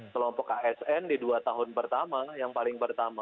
kelompok asn di dua tahun pertama yang paling pertama